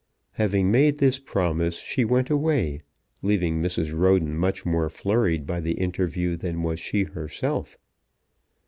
Having made this promise she went away, leaving Mrs. Roden much more flurried by the interview than was she herself.